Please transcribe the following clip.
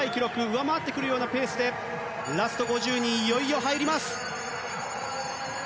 上回ってくるようなペースでラスト５０にいよいよ入ります。